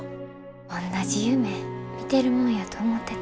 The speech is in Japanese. おんなじ夢見てるもんやと思ってた。